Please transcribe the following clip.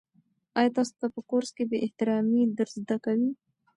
آیا تاسو ته په کورس کې بې احترامي در زده کوي؟